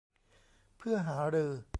เพื่อหารือ